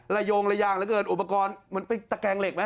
โยงระยางเหลือเกินอุปกรณ์มันเป็นตะแกงเหล็กไหม